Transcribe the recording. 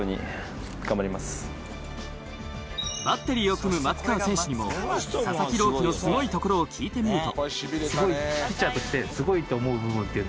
バッテリーを組む松川選手にも佐々木朗希のすごいところを聞いてみると。